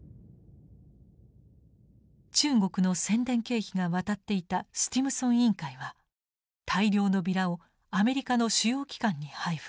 中国の宣伝経費が渡っていたスティムソン委員会は大量のビラをアメリカの主要機関に配布。